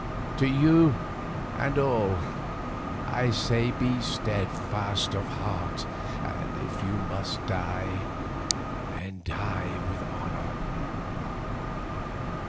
To you and all I say be of a steadfast heart, and if you must die, then die with honour.